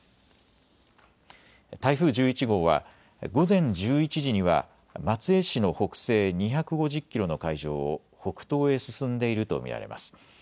台風１１号は午前１１時には松江市の北西２５０キロの海上を北東へ進んでいると見られます。